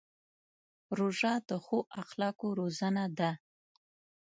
روژه د ښو اخلاقو روزنه ده.